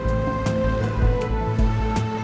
aku siapa itu